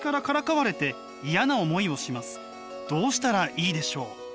「どうしたらいいでしょう？」。